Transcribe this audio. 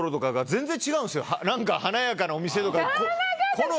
なんか華やかなお店とか。